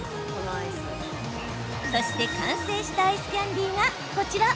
そして、完成したアイスキャンディーがこちら。